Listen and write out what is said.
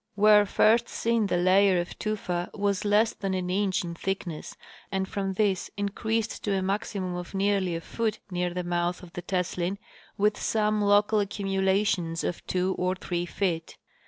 Where first seen the layer of tufa was less than an inch in thickness, and from this increased to a maxi mum of nearly a foot near the mouth of the Teslin, with some local accumulations of two or three feet.